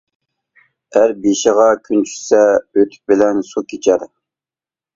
ئەر بېشىغا كۈن چۈشسە، ئۆتۈك بىلەن سۇ كېچەر.